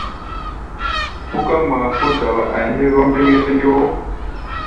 Ɓúká ŋmaa kó dawa a̧ʼi̧ hégɔ́ mbeŋge-leŋge wo!